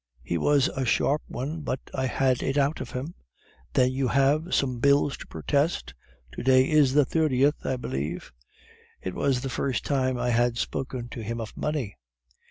"'He was a sharp one, but I had it out of him.' "'Then have you some bills to protest? To day is the 30th, I believe.' "It was the first time I had spoken to him of money.